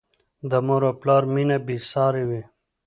د مور او پلار مینه بې سارې وي.